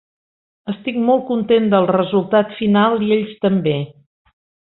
Estic molt content del resultat final i ells també.